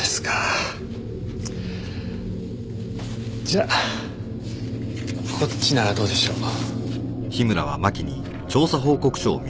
じゃあこっちならどうでしょう？